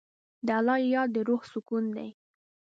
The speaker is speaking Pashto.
د الله یاد د روح سکون دی.